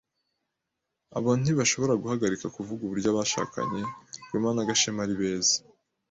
Abantu ntibashobora guhagarika kuvuga uburyo abashakanye Rwema na Gashema ari beza.